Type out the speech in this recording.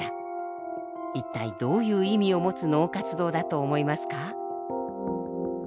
一体どういう意味を持つ脳活動だと思いますか？